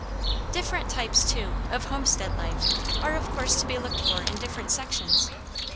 Different types, too, of homestead life are of course to be looked for in different sections.